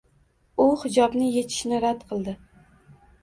U hijobni yechishni rad qildi!